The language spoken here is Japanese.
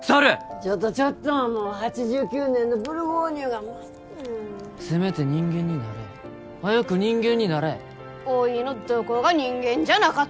ちょっとちょっと８９年のブルゴーニュがまずくなるせめて人間になれ早く人間になれおいのどこが人間じゃなかと！？